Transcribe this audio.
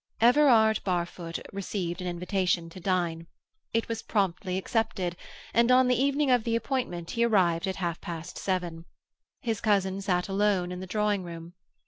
Everard Barfoot received an invitation to dine. It was promptly accepted, and on the evening of the appointment he arrived at half past seven. His cousin sat alone in the drawing room.